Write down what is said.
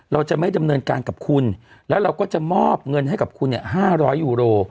เราจะไม่ดำเนินการกับคุณแล้วเราก็จะมอบเงินให้กับคุณเนี่ย๕๐๐ยูโร